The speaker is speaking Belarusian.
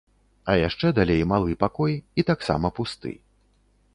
А яшчэ далей малы пакой, і таксама пусты.